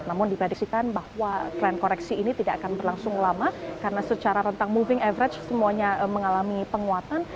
namun diprediksikan bahwa tren koreksi ini tidak akan berlangsung lama karena secara rentang moving average semuanya mengalami penguatan